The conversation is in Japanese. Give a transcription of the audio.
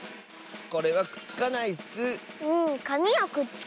これはくっつかないッス！